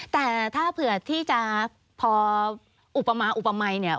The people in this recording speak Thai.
แต่ถ้าเผื่อที่จะพออุปมะอุปมัย